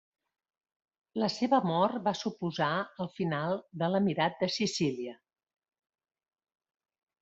La seva mort va suposar el final de l'emirat de Sicília.